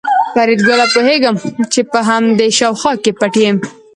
فریدګله پوهېږم چې په همدې شاوخوا کې پټ یې